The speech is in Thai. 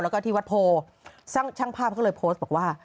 แล้วก็ที่วัดโพช่างภาพเขาก็เลยโพสต์บอกว่า